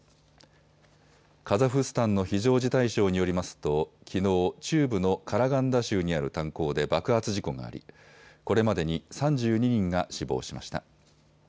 カザフスタンの非常事態省によりますときのう中部のカラガンダ州にある炭鉱で爆発事故がありこれまでに３２人が死亡しました。